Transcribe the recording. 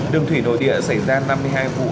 đường thủy nội địa xảy ra năm mươi hai vụ